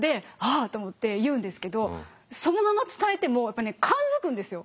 あと思って言うんですけどそのまま伝えてもやっぱね感づくんですよ。